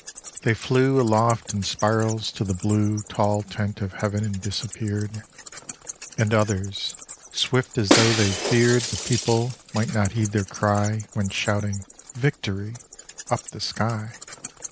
They flew Aloft in spirals to the blue Tall tent of heaven and disappeared. And others, swift as though they feared The people might not heed their cry Went shouting Victory up the sky.